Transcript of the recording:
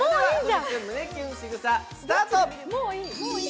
胸キュンしぐさ、スタート。